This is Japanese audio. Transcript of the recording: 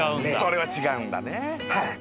それは違うんだね。